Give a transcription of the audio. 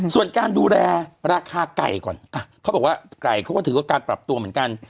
ส่วนการดูแลราคาไก่ก่อนเขาบอกว่าไก่เขาก็ถือว่าการปรับตัวเหมือนกัน